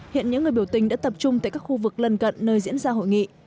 hiện những người biểu tình đã tập trung tại các khu vực lần cận nơi diễn ra hội nghị